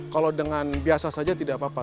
kalau dengan biasa saja tidak apa apa